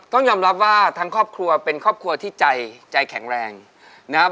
ต้องยอมรับว่าทั้งครอบครัวเป็นครอบครัวที่ใจใจแข็งแรงนะครับ